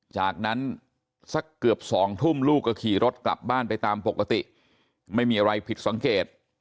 จากนั้นสักเกือบ๒ทุ่มลูกก็ขี่รถกลับบ้านไปตามปกติไม่มีอะไรผิดสังเกต